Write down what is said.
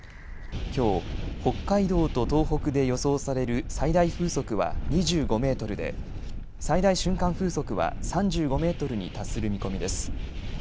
きょう北海道と東北で予想される最大風速は２５メートルで最大瞬間風速は３５メートルに達する見込みです。